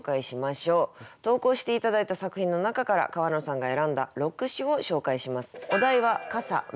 投稿して頂いた作品の中から川野さんが選んだ６首を紹介します。